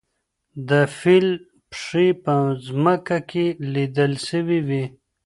د فیل پښې په ځمکه کې لیدل سوي وې.